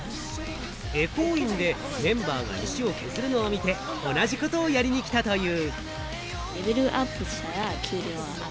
回向院でメンバーが石を削るのを見て、同じことをやりに来たという。